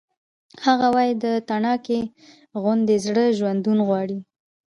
هغه وایی د تڼاکې غوندې زړه ژوندون غواړي